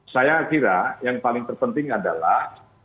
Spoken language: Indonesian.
saya kira yang paling terpenting adalah